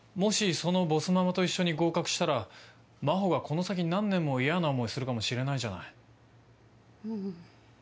そのボスママと一緒に合格したら真帆がこの先何年も嫌な思いするかもしれないじゃないうん